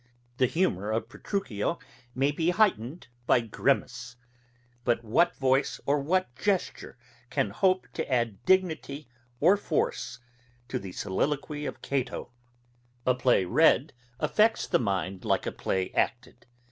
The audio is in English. The humour of Petruchio may be heightened by grimace; but what voice or what gesture can hope to add dignity or force to the soliloquy of Cato. A play read, affects the mind like a play acted.